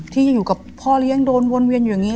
ที่อยู่กับพ่อเลี้ยงโดนวนเวียนอยู่อย่างนี้